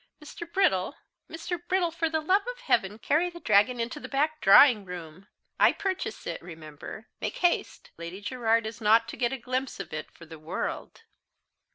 Mr. Brittle, Mr. Brittle, for the love of heaven, carry the dragon into the back drawing room I purchase it, remember! make haste! Lady Gerard is not to get a glimpse of it for the world."